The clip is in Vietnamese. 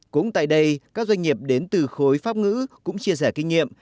cũng tại đây các doanh nghiệp đến từ khối pháp ngữ cũng chia sẻ kinh nghiệm